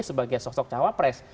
sebagai sosok cawapres